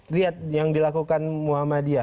lihat yang dilakukan muhammadiyah